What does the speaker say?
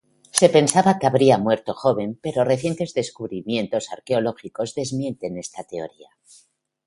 Se pensaba que habría muerto joven pero recientes descubrimientos arqueológicos desmienten esta teoría.